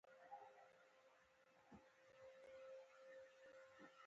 ایا ستاسو تبه به ټیټه نه وي؟